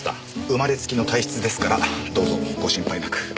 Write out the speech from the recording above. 生まれつきの体質ですからどうぞご心配なく。